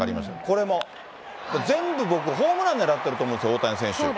これも全部僕、ホームランを狙ってると思うんですよ、大谷選手。